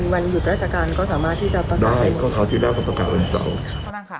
วันหยุดราชการก็สามารถที่จะประกาศได้ไหมได้ก็คราวที่แรกก็ประกาศวันเสาร์